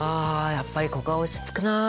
やっぱりここは落ち着くな。